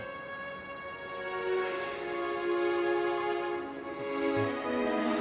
ya itu lebih baik